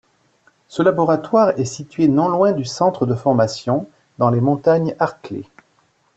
Ce laboratoire est situé non loin du Centre de Formation, dans les Montagnes Arklay.